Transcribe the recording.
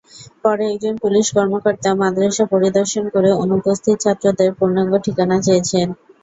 পরে একজন পুলিশ কর্মকর্তা মাদ্রাসা পরিদর্শন করে অনুপস্থিত ছাত্রদের পূর্ণাঙ্গ ঠিকানা চেয়েছেন।